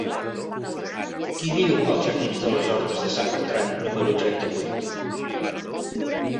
Qui viu als jardins de les Hortes de Sant Bertran número trenta-vuit?